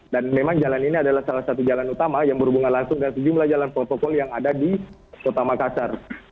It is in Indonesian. dan memang jalan ini adalah salah satu jalan utama yang berhubungan langsung dengan sejumlah jalan protokol yang ada di kota makassar